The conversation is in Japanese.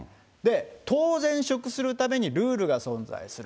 当然、食するためにルールが存在する。